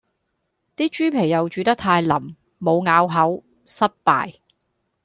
啲豬皮又煮得太淋，冇咬口，失敗